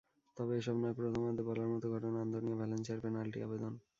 তবে এসব নয়, প্রথমার্ধে বলার মতো ঘটনা আন্তোনিও ভ্যালেন্সিয়ার পেনাল্টি আবেদন।